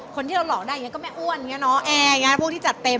คนที่เราหลอกได้ก็แม่อ้วนแอร์พวกที่จัดเต็ม